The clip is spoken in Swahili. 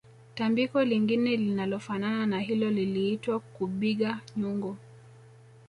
Tambiko lingine linalofanana na hilo liliitwa kubigha nyungu